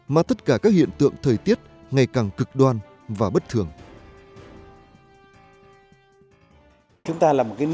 mà tất cả các hiện tượng thời tiết ngày càng cực đoan và bất thường